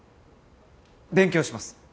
勉強します